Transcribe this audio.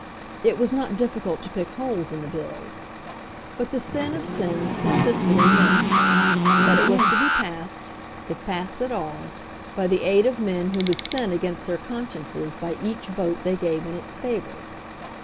It was not difficult to pick holes in the Bill. But the sin of sins consisted in this, that it was to be passed, if passed at all, by the aid of men who would sin against their consciences by each vote they gave in its favour.